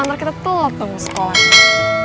ntar kita telat dong sekolahnya